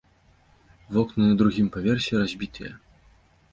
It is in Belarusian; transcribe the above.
Вокны на другім паверсе разбітыя.